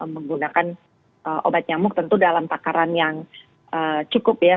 menggunakan obat nyamuk tentu dalam takaran yang cukup ya